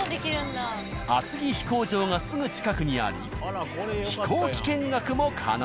厚木飛行場がすぐ近くにあり飛行機見学も可能。